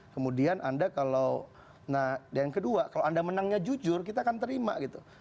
kemudian anda kalau nah yang kedua kalau anda menangnya jujur kita akan terima gitu